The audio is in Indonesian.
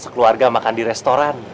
sekeluarga makan di restoran